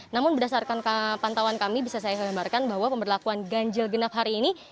namun berdasarkan pantauan kami bisa saya gambarkan bahwa pemberlakuan ganjil genap hari ini